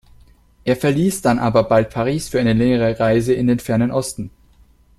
Er verließ dann aber bald Paris für eine längere Reise in den Fernen Osten.